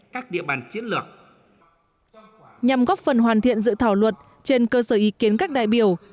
các địa bàn chiến lược nhằm góp phần hoàn thiện dự thảo luật trên cơ sở ý kiến các đại biểu